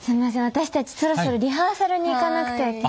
私たちそろそろリハーサルに行かなくてはいけなくて。